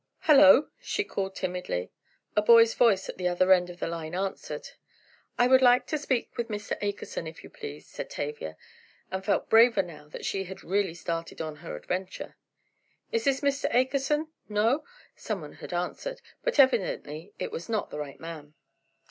"Hello!" she called, timidly. A boy's voice at the other end of the line answered. "I would like to speak with Mr. Akerson, if you please," said Tavia, and felt braver now that she had really started on her adventure. "Is this Mr. Akerson? No?" Someone had answered, but evidently it was not the right man.